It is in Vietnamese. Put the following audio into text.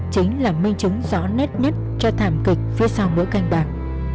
chính là minh chứng rõ nét nhất cho thảm kịch phía sau mỗi canh bạc